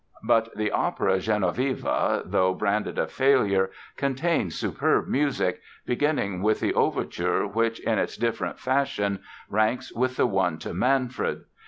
But the opera, "Genoveva" though branded a failure contains superb music, beginning with the overture which, in its different fashion, ranks with the one to "Manfred".